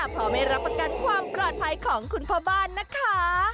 เพราะไม่รับประกันความปลอดภัยของคุณพ่อบ้านนะคะ